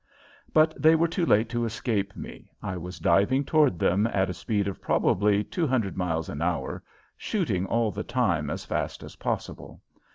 But they were too late to escape me. I was diving toward them at a speed of probably two hundred miles an hour, shooting all the time as fast as possible.